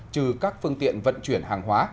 trừ các phương tiện vận chuyển hàng hóa